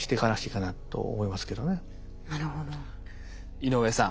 井上さん